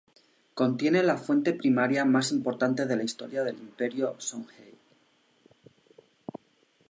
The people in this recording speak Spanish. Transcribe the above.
Contiene la fuente primaria más importante de la historia del Imperio Songhay.